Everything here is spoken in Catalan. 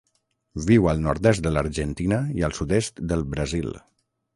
Viu al nord-est de l'Argentina i el sud-est del Brasil.